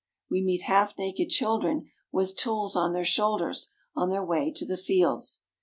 We meet half naked children with tools on their shoulders, on their way to the fields.